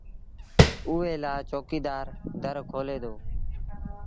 اُئي لآ چوڪيدآر در کولي دو